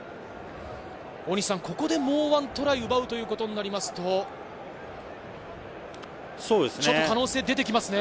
ここで、もう１トライ奪うということになりますと、可能性、出てきますね。